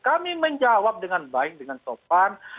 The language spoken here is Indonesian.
kami menjawab dengan baik dengan sopan